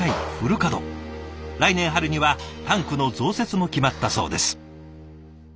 来年春にはタンクの増設も決まったそうです。